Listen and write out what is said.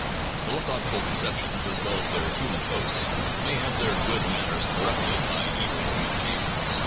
Philosophical conceptions as well as their human hosts may have their good manners corrupted by evil communications.